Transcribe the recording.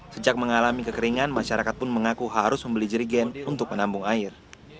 sejak mengalami kekeringan masyarakat pun mengaku harus membeli jerigen untuk menampung air